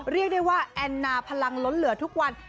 เรียกได้ว่าแอนนาพลังล้นเหลือทุกวัน